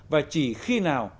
và chỉ khi nào